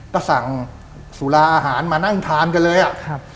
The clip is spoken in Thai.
ก็สั่งสุราอาหารมานั่งทานกันเลยอ่ะครับ